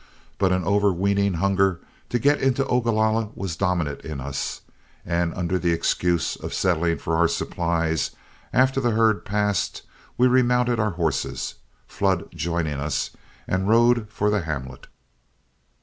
But an overweening hunger to get into Ogalalla was dominant in us, and under the excuse of settling for our supplies, after the herd passed, we remounted our horses, Flood joining us, and rode for the hamlet.